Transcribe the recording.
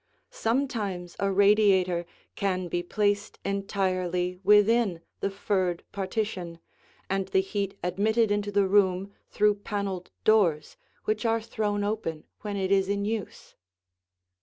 Sometimes a radiator can be placed entirely within the furred partition, and the heat admitted into the room through paneled doors which are thrown open when it is in use.